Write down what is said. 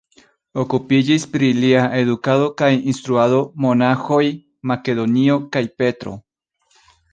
Okupiĝis pri lia edukado kaj instruado monaĥoj Makedonio kaj Petro.